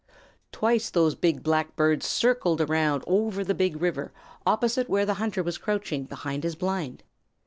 Twice those big black birds circled around over the Big River opposite where the hunter was crouching behind his blind.